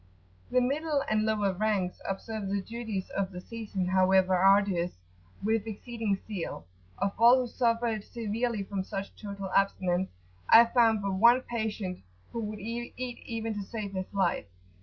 The middle and lower ranks observe the duties of the season, however arduous, with exceeding zeal: of all who suffered severely from such total abstinence, I found but one patient who would eat even to save his life.